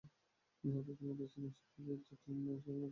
নিহতদের মধ্যে ছিলেন শিক্ষাবিদ জ্যোতির্ময় গঙ্গোপাধ্যায়।